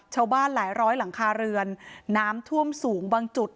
หลายร้อยหลังคาเรือนน้ำท่วมสูงบางจุด